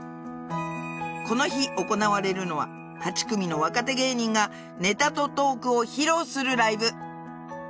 この日行われるのは８組の若手芸人がネタとトークを披露するライブ